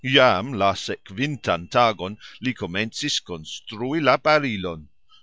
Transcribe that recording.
Jam la sekvintan tagon li komencis konstrui la barilon.